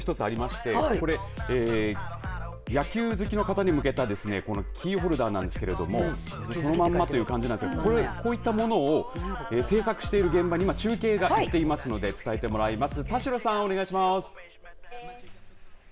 キーホルダーがここにも１つありましてこれ野球好きの方に向けたキーホルダーなんですけれどもこのままという感じなんですがこういったものを製作している現場に今中継が行っていますので伝えてもらいます。